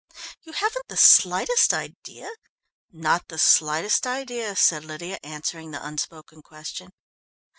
You haven't the slightest idea " "Not the slightest idea," said Lydia, answering the unspoken question.